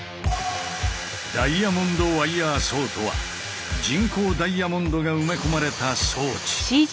ダイヤモンドワイヤーソーとは人工ダイヤモンドが埋め込まれた装置。